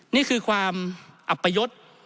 นี่คือความอัปยศ